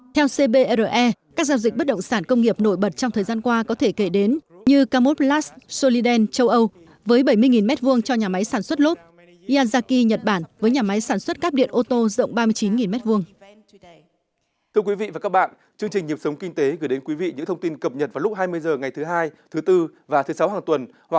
theo cbre các giao dịch bất động sản công nghiệp nổi bật trong thời gian qua có thể kể đến như camus blast solidane châu âu với bảy mươi m hai cho nhà máy sản xuất lốt yanzaki nhật bản với nhà máy sản xuất cắp điện ô tô rộng ba mươi chín m hai